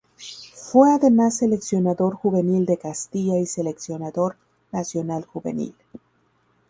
Fue además Seleccionador Juvenil de Castilla y Seleccionador Nacional Juvenil.